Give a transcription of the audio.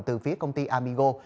từ phía công ty amigo